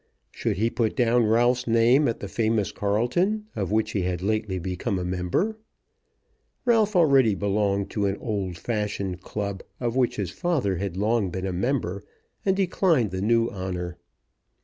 Should he put down Ralph's name at the famous Carlton, of which he had lately become a member? Ralph already belonged to an old fashioned club, of which his father had been long a member, and declined the new honour.